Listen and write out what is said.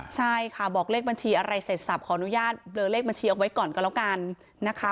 ใช่ค่ะบอกเลขบัญชีอะไรเสร็จสับขออนุญาตเบลอเลขบัญชีเอาไว้ก่อนก็แล้วกันนะคะ